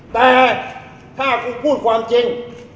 แต่ถ้าคุณพูดความจริง